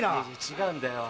違うんだよ。